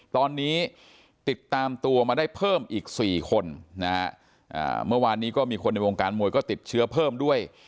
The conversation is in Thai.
ตอนนี้ติดตามตัวมาได้เพิ่มอีก๔คนนะฮะเมื่อวานนี้ก็มีคนในวงการมวยก็ติดเชื้อเพิ่มด้วย